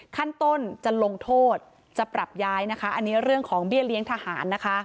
ขั้นต้นจะลงโทษจะปรับย้ายนะคะอันนี้เรื่องของเบี้ยเลี้ยงทหารนะคะ